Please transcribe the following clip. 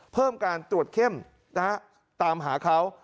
เพิ่มการตรวจเข้มตามหาเขา